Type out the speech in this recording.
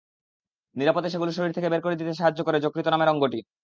নিরাপদে সেগুলো শরীর থেকে বের করে দিতে সাহায্য করে যকৃৎ নামের অঙ্গটি।